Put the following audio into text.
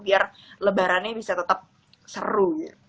biar lebarannya bisa tetap seru